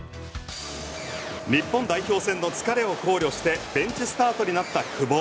日本代表戦の疲れを考慮してベンチスタートになった久保。